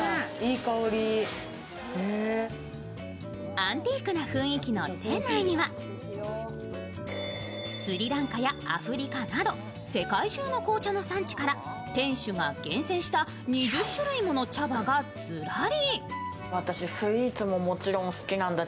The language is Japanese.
アンティークな雰囲気の店内にはスリランカやアフリカなど世界中の紅茶の産地から店主が厳選した２０種類もの茶葉がずらり。